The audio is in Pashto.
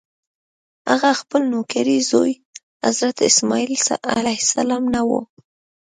هغه خپل نوکرې زوی حضرت اسماعیل علیه السلام نه و.